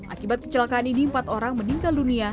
akibat kecelakaan ini empat orang meninggal dunia